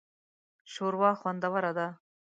شوروا خوندوره ده